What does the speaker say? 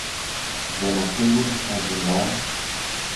για να φύγουν στα βουνά